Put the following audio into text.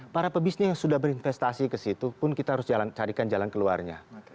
para pebisnis yang sudah berinvestasi ke situ pun kita harus carikan jalan keluarnya